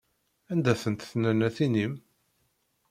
Anda-tent tnannatin-im?